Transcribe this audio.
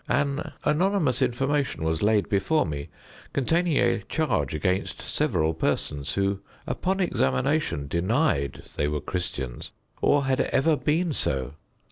An anonymous information was laid before me, containing a charge against several persons, who upon examination denied they were Christians, or had ever been so.